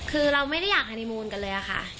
คือเราไม่ได้อยากฮานีมูลกันเลยค่ะ